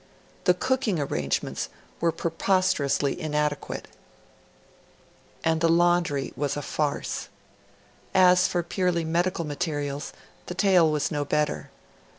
The cooking arrangements were preposterously inadequate, and the laundry was a farce. As for purely medical materials, the tale was no better.